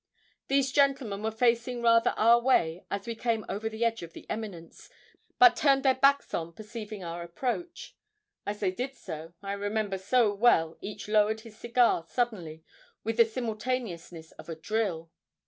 These gentlemen were facing rather our way as we came over the edge of the eminence, but turned their backs on perceiving our approach. As they did so, I remember so well each lowered his cigar suddenly with the simultaneousness of a drill.